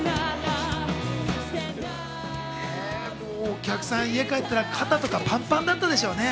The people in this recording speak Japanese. お客さん、家帰ったら肩とかパンパンだったでしょうね。